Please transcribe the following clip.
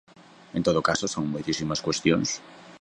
En todo caso, son moitísimas cuestións.